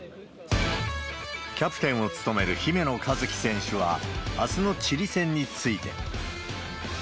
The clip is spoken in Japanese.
キャプテンを務める姫野和樹選手は、あすのチリ戦について。